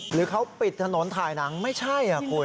หรือเขาปิดถนนถ่ายหนังไม่ใช่คุณ